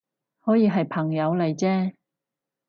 可以係朋友嚟啫